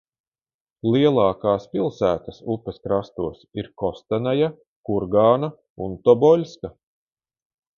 Lielākās pilsētas upes krastos ir Kostanaja, Kurgāna un Toboļska.